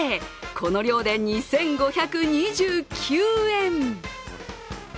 この量で２５２９円。